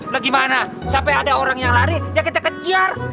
nah gimana sampai ada orang yang lari ya kita kejar